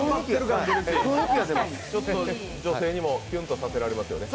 女性にもキュンとさせられますよね。